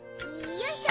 よいしょ。